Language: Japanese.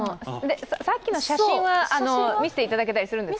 さっきの写真は見せていただけたりするんですか？